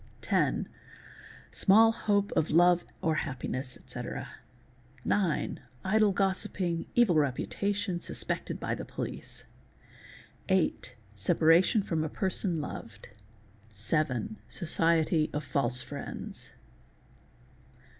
Ten—small hope of love or happiness, etc. Nine—idle gossiping, evil reputation, suspected by the 'police. Hight—separation from a person loved. Seven—socicty of false friends.